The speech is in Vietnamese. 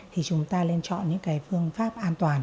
thì chúng ta nên chọn những cái phương pháp an toàn